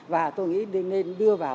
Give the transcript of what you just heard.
và tôi nghĩ nên đưa vào